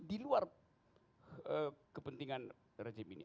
di luar kepentingan rejim ini